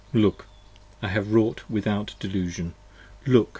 5 Look! I have wrought without delusion: Look!